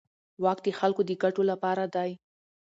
واک د خلکو د ګټو لپاره دی.